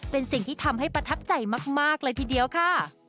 เป็นสิ่งที่ทำให้ประทับใจมากเลยทีเดียวค่ะ